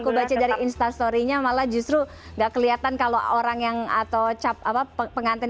aku baca dari instastory nya malah justru enggak kelihatan kalau orang yang atau cap apa pengantin